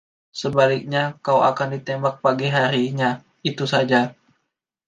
Sebaliknya, kau akan ditembak pagi harinya, itu saja!